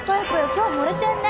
今日も盛れてるね！